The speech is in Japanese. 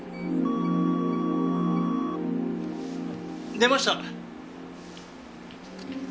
出ました。